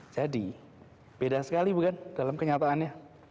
jadi beda sekali bukan dalam kenyataannya